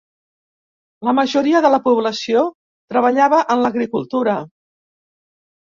La majoria de la població treballava en l'agricultura.